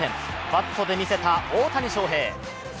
バットで見せた大谷翔平。